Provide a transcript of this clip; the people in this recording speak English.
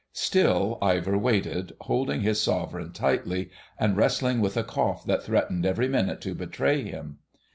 Still Ivor waited, holding his sovereign tightly, and wrestling with a cough that threatened every minute to betray him.